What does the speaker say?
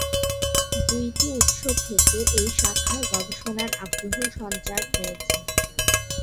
দুইটি উৎস থেকে এই শাখায় গবেষণার আগ্রহ সঞ্চার হয়েছে।